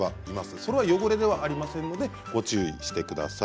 それは汚れではありませんのでご注意ください。